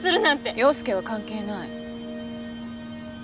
陽佑は関係ない。